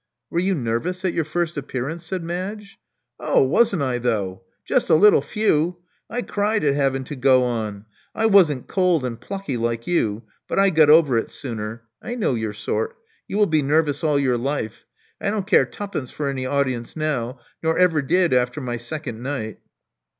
" Were you nervous at your first appearance?" said Madge. 0h, wawn't I though! Just a little few. I cried at havin' to go on. I wasn't cold and plucky like you ; but I got over it sooner. I know your sort : you will be nervous all your life. I don't care twopence for any audience now, nor ever did after my second night."